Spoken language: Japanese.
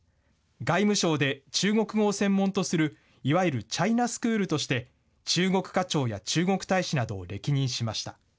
外務省で中国語を専門とする、いわゆるチャイナスクールとして、中国課長や中国大使などを歴任しました。